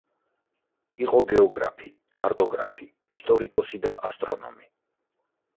იყო გეოგრაფი, კარტოგრაფი, ისტორიკოსი და ასტრონომი.